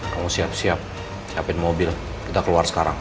kamu siap siapin mobil kita keluar sekarang